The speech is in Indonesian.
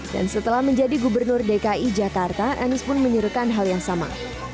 dan setelah menjadi gubernur dki jakarta anies pun menyuruhkan hal yang sama